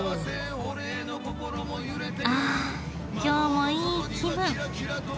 あ今日もいい気分。